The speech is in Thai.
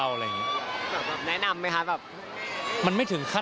แม่ค่ะแม่ค่ะ